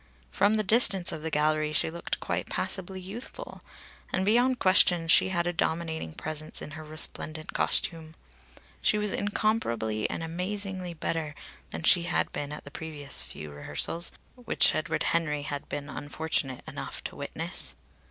From the distance of the gallery she looked quite passably youthful, and beyond question she had a dominating presence in her resplendent costume. She was incomparably and amazingly better than she had been at the few previous rehearsals which Edward Henry had been unfortunate enough to witness.